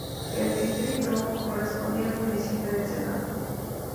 El distrito correspondía al municipio de Ensenada.